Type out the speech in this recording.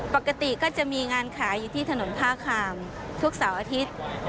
ปกติก็จะมีงานขายอยู่ที่ถนนท่าคามทุกเสาร์อาทิตย์